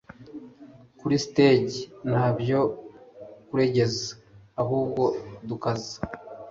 kuri stage ntabyo kuregeza ahubwo dukaza